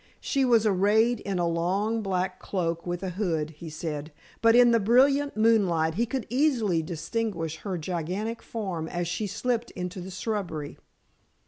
She was arrayed in a long black cloak with a hood, he said, but in the brilliant moonlight he could easily distinguish her gigantic form as she slipped into the shrubbery.